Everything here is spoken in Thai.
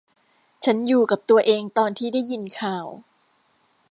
ฉันอยู่กับตัวเองตอนที่ได้ยินข่าว